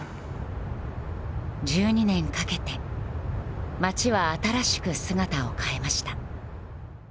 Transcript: １２年かけて町は新しく姿を変えました。